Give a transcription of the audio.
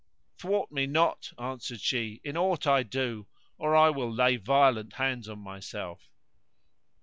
Thwart me not, answered she, in aught I do, or I will lay violent hands on myself!